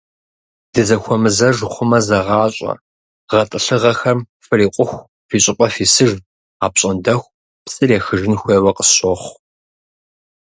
Дызэхуэмызэж хъумэ, зэгъащӀэ: гъэтӀылъыгъэхэм фрикъуху фи щӏыпӏэ фисыж, апщӀондэху псыр ехыжын хуейуэ къысщохъу.